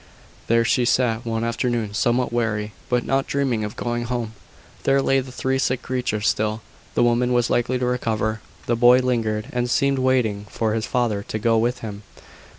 There she sat one afternoon, somewhat weary, but not dreaming of going home. There lay the three sick creatures still. The woman was likely to recover; the boy lingered, and seemed waiting for his father to go with him.